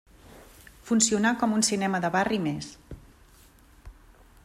Funcionà com un cinema de barri més.